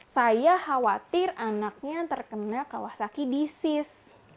saya khawatir anaknya terkena kawasaki disis